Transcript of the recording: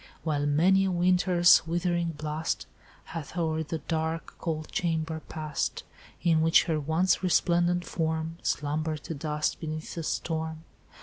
While many a winter's withering blast Hath o'er the dark cold chamber passed, In which her once resplendent form Slumbered to dust beneath the storm.